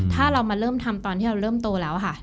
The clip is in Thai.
ถ้าเรามาเริ่มทำตอนที่เราเริ่มโตแล้วค่ะ